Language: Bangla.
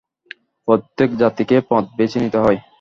প্রত্যেক জাতিকে পথ বেছে নিতে হয়।